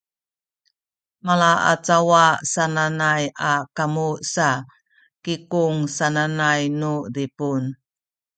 malaacawa sananay a kamu sa “kikung” sananay nu Zipun